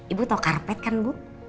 ibu tahu karpet kan bu